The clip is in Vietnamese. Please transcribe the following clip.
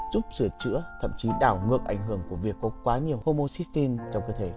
giúp sửa chữa thậm chí đảo ngược ảnh hưởng của việc có quá nhiều holmoxistine trong cơ thể